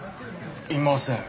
いません。